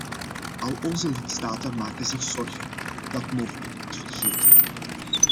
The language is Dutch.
Al onze lidstaten maken zich zorgen; dat mogen we niet vergeten.